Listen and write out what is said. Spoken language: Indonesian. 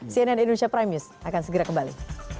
cnn indonesia prime news akan segera kembali